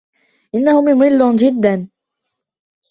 إنه ممل جدا.